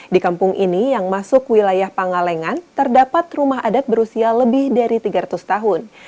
di kampung ini yang masuk wilayah pangalengan terdapat rumah adat berusia lebih dari tiga ratus tahun